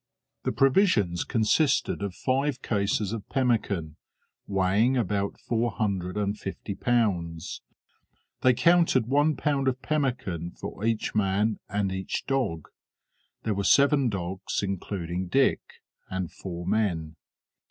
The provisions consisted of five cases of pemmican, weighing about four hundred and fifty pounds; they counted one pound of pemmican for each man and each dog; there were seven dogs including Dick, and four men.